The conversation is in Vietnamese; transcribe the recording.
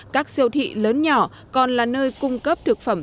các siêu thị lớn nhỏ còn là nơi cung cấp thực phẩm